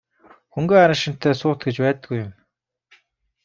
Хөнгөн араншинтай суут гэж байдаггүй юм.